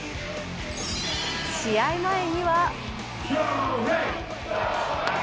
試合前には。